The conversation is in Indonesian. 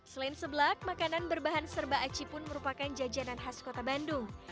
selain sebelak makanan berbahan serba aci pun merupakan jajanan khas kota bandung